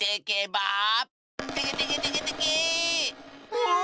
うわ！